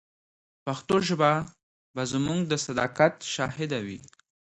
پښتو ژبه به زموږ د صداقت شاهده وي.